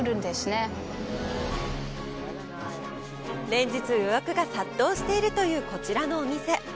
連日予約が殺到しているというこちらのお店。